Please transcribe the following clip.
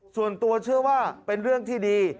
ส่วนตัวเชื่อว่าเป็นเรื่องที่ดี